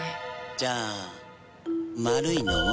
じゃあ丸いのを。